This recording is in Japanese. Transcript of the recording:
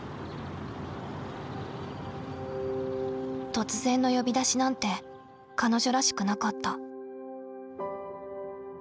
突然の呼び出しなんて彼女らしくなかった。